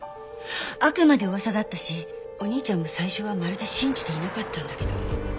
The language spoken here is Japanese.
あくまで噂だったしお兄ちゃんも最初はまるで信じていなかったんだけど。